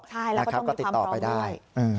ใช่แล้วก็ต้องมีความพร้อมด้วยค่ะก็ติดต่อไปได้